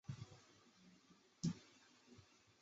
这是中国共产党领导的军队中首次组建仪仗队。